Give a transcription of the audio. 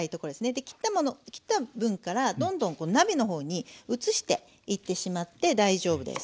で切った分からどんどん鍋の方に移していってしまって大丈夫です。